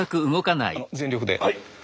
全力で。